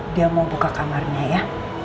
dia mau buka kamarnya ya